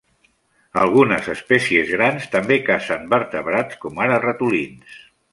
Algunes espècies grans també cacen vertebrats com ara ratolins.